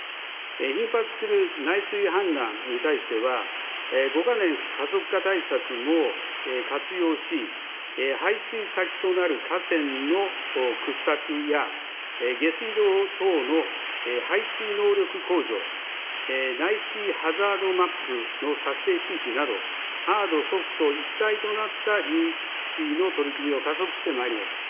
頻発する内水氾濫に対しては、５か年加速化対策も活用し、排水先となる河川の掘削や、下水道等の排水能力向上、内水ハザードマップの作成、周知など、ハード、ソフト一体となった流域治水の取り組みを加速してまいります。